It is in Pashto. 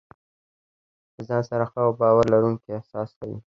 له ځان سره ښه او باور لرونکی احساس کوي.